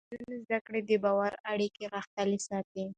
د نجونو زده کړه د باور اړیکې غښتلې ساتي.